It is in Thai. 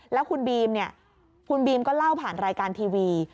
แล้วคุณบีมก็เล่าผ่านรายการทีวี